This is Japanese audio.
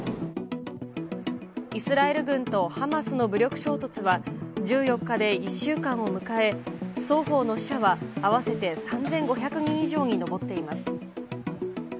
イスラエル軍とハマスの武力衝突は、１４日で１週間を迎え、双方の死者は合わせて３５００人以上に上っています。